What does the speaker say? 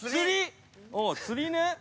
◆釣りね。